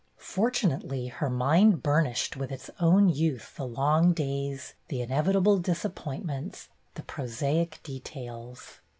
Fortunately her mind burnished with its own youth the long days, the inevitable dis appointments, the prosaic details.